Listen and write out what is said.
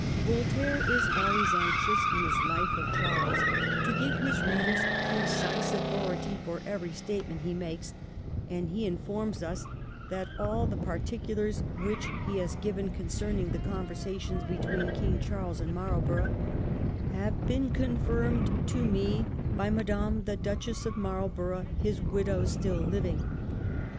Voltaire is always anxious in his Life of Charles to give his readers precise authority for every state ment he makes, and he informs us that all the particulars which he has given concerning the con versations between King Charles and Marlborough ' have been confirmed to me by Madam the Duchess of Marlborough, his widow, still living.'